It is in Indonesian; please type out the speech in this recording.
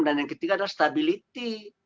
dan yang ketiga adalah stabilitas